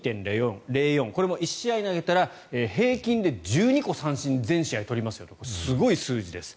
これも１試合投げたら平均で１２個三振を全試合で取りますというこれはすごい数字です。